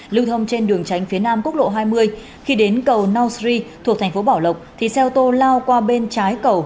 lưu thông trên đường tránh phía nam quốc lộ hai mươi khi đến cầu nau sri thuộc thành phố bảo lộc thì xe ô tô lao qua bên trái cầu